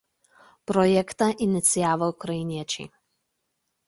Projektą inicijavo ukrainiečiai.